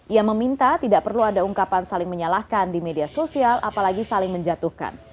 ia meminta tidak perlu ada ungkapan saling menyalahkan di media sosial apalagi saling menjatuhkan